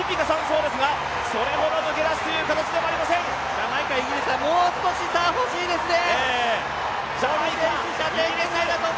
ジャマイカ、イギリスはもう少し差がほしいですね。